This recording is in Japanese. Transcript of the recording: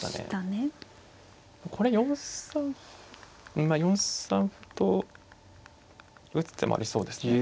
これ４三まあ４三歩と打つ手もありそうですね。